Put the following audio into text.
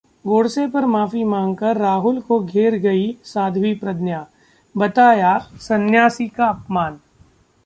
गोडसे पर माफी मांगकर राहुल को घेर गईं साध्वी प्रज्ञा, बताया संन्यासी का अपमान